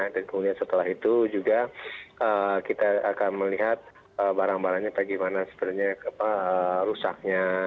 dan kemudian setelah itu juga kita akan melihat barang barangnya bagaimana sebenarnya rusaknya